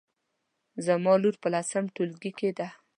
زما لور په لسم ټولګي کې ده